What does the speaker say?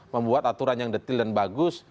membuat aturan yang detil dan bagus